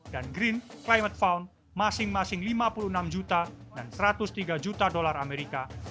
dan green climate fund masing masing lima puluh enam juta dan satu ratus tiga juta dolar amerika